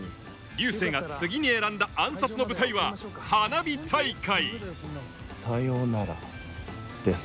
流星が次に選んだ暗殺の舞台は花火大会さようならデス。